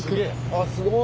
あっすごい。